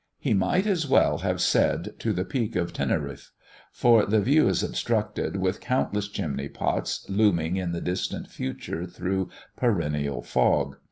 He might as well have said to the Peak of Teneriffe; for the view is obstructed with countless chimney pots looming in the distant future through perennial fog.